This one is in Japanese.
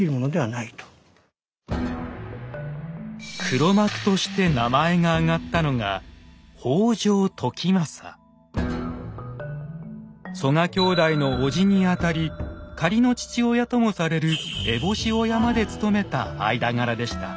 黒幕として名前が挙がったのが曽我兄弟のおじにあたり仮の父親ともされる烏帽子親まで務めた間柄でした。